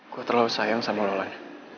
gue terlalu sayang sama noleh